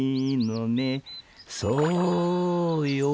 「そうよ